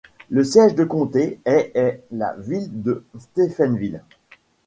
Le siège de comté est est la ville de Stephenville.